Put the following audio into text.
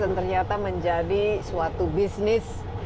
dan ternyata menjadi suatu bisnis